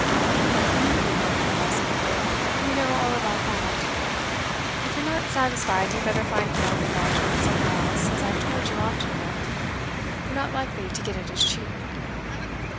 'Oh, you'd be a wonderful housekeeper, we know all about that. If you're not satisfied, you'd better find board and lodging somewhere else, as I've told you often enough. You're not likely to get it as cheap.